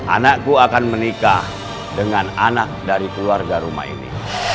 anakku akan menikah dengan anak dari keluarga rumah ini